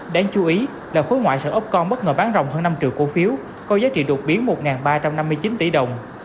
đáng chú ý là khối ngoại sản opcom bất ngờ bán rồng hơn năm triệu cổ phiếu có giá trị đột biến một ba trăm năm mươi chín tỷ đồng